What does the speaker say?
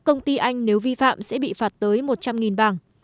công ty anh nếu vi phạm sẽ bị phạt tới một trăm linh bảng